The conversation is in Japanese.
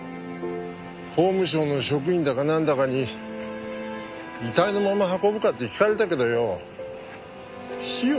法務省の職員だかなんだかに遺体のまま運ぶかって聞かれたけどよ費用